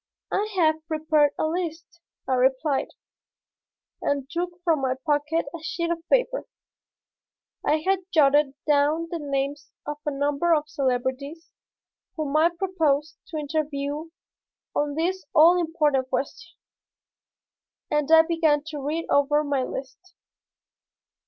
"I have prepared a list," I replied, and took from my pocket a sheet of paper. I had jotted down the names of a number of celebrities whom I proposed to interview on this all important question, and I began to read over my list.